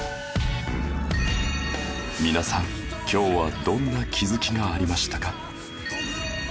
皆さん今日はどんな気付きがありましたか？